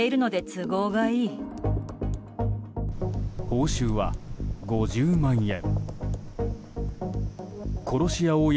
報酬は５０万円。